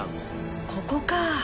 ここか